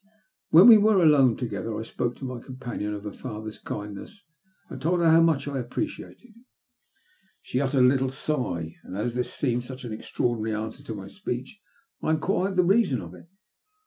When we were alone together I spoke to my companion of her father's kindness, and told her how much I appre ciated it. She uttered a little sigh, and as this seemed such an extraordinary answer to my speech, I enquired the reason of it.